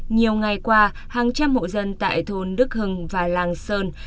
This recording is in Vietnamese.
nhiều ngày qua hàng trăm hộ dân tại thôn đức hưng và làng sơn